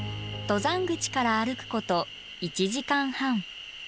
登山口から歩くこと１時間半。